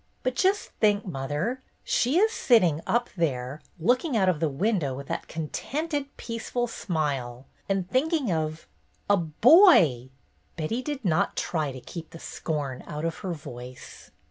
But just think, mother, she is sitting up there, looking out of the window with that contented, peaceful smile, and thinking of — a boy 1 " Betty did not try to keep the scorn out of her voice.